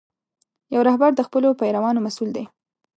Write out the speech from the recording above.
یو رهبر د خپلو پیروانو مسؤل دی.